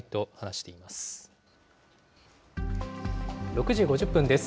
６時５０分です。